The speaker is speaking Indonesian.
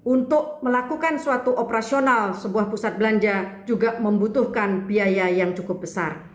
untuk melakukan suatu operasional sebuah pusat belanja juga membutuhkan biaya yang cukup besar